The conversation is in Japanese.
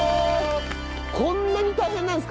こんなに大変なんですか？